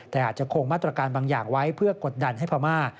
แต่อาจจะคงมาตรการบางอย่างไว้เพื่อกดดันให้พม่า